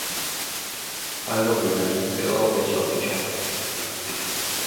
I love you man will always love you Champ!